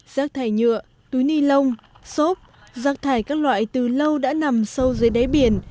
rác thải nhựa túi ni lông xốp rác thải các loại từ lâu đã nằm sâu dưới đáy biển